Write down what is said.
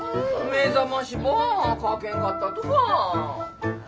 目覚ましばかけんかったとか。